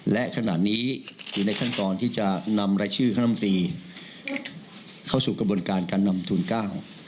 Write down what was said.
และขณะนี้อยู่ในขั้นตอนที่จะนำรายชื่อคณะมตรีเข้าสู่กระบวนการการนำทุนเก้า